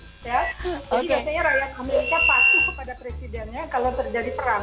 biasanya rakyat amerika patuh kepada presidennya kalau terjadi perang